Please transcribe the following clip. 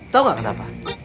tau gak kenapa